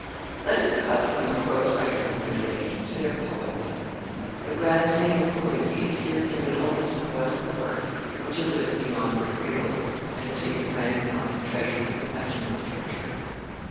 Let us pass from the prose writers of the middle ages to their poets. The grand name of poesy is here given only to poetical works which have lived beyond their cradles and have taken rank amongst the treasures of the national literature.